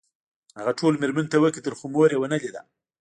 هغه ټولو مېرمنو ته وکتل خو مور یې ونه لیده